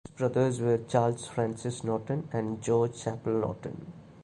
His brothers were Charles Francis Norton and George Chapple Norton.